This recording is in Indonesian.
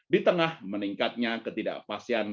di tengah meningkatnya ketidakpastian